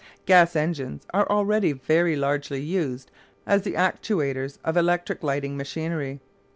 Gas engines are already very largely used as the actuators of electric lighting machinery.